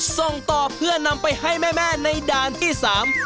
ส่งต่อเพื่อนำไปให้แม่แม่ในด่านที่สาม